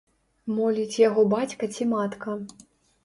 Моліць яго бацька ці матка.